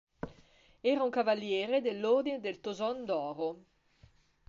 Era un Cavaliere dell'Ordine del Toson d'Oro.